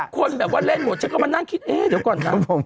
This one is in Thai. คนแบบว่าเล่นหมดฉันก็มานั่งคิดเอ๊ะเดี๋ยวก่อนนะ